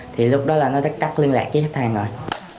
thì lúc đó là nó tắt cắt liên lạc với khách hàng rồi